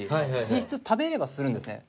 実質食べれはするんですね。